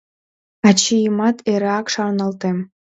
Ачийымат эреак шарналтем.